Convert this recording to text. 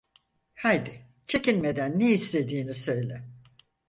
Haydi, çekinmeden ne istediğini söyle.